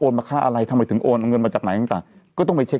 มาค่าอะไรทำไมถึงโอนเอาเงินมาจากไหนต่างก็ต้องไปเช็ค